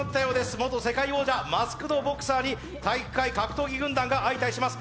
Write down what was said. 元世界王者、マスク・ド・ボクサーに体育会格闘技軍団が相対します。